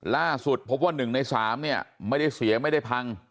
ล่าสุดพบว่า๑ใน๓เนี่ยไม่ได้เสียไม่ได้พัง